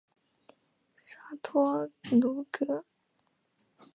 沙托鲁格。